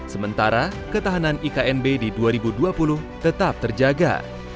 sementara ketahanan iknb di dua ribu dua puluh tetap terjaga